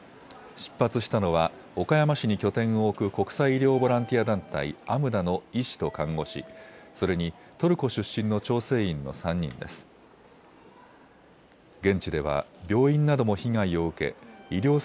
出発したのは岡山市に拠点を置く国際医療ボランティア団体、ＡＭＤＡの医師と看護師、それにトルコ出身の調整員の３人です。